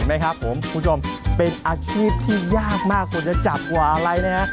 ไหมครับผมคุณผู้ชมเป็นอาชีพที่ยากมากคุณจะจัดกว่าอะไรนะฮะ